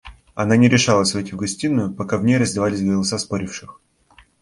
Она не решалась войти в гостиную, пока в ней раздавались голоса споривших.